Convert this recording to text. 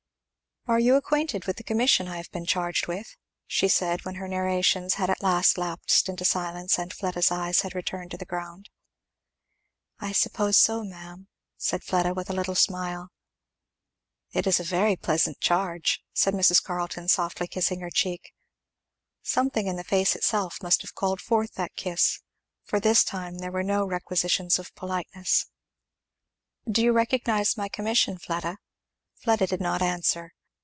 "Are you acquainted with the commission I have been charged with?" she said, when her narrations had at last lapsed into silence and Fleda's eyes had returned to the ground. "I suppose so, ma'am," said Fleda with a little smile. "It is a very pleasant charge," said Mrs. Carleton softly kissing her cheek. Something in the face itself must have called forth that kiss, for this time there were no requisitions of politeness. "Do you recognize my commission, Fleda?" Fleda did not answer.